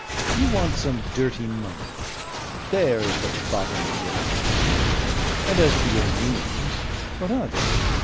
You want some dirty money; there is the bottom of your contention; and as for your means, what are they?